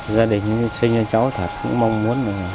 gia đình sinh cho cháu thật cũng mong muốn